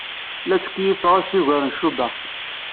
La ttkeyyifeɣ asigaṛ n Cuba.